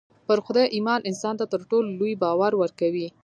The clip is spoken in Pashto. پر خدای ايمان انسان ته تر ټولو لوی باور ورکوي.